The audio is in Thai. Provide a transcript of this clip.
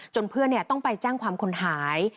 เพื่อนต้องไปแจ้งความคนหาย